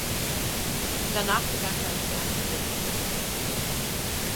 Danach begann sein Stern zu sinken.